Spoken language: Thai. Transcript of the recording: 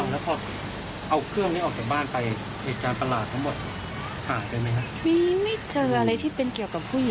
แล้วพอเอาเครื่องนี้ออกจากบ้านไป